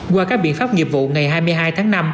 qua các biện pháp nghiệp vụ ngày hai mươi hai tháng năm